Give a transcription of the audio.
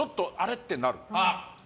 ってなる。